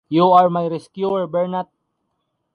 You are my rescuer, Bernat!